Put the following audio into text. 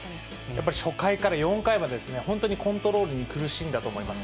やっぱり初回から４回までですね、本当にコントロールに苦しんだと思います。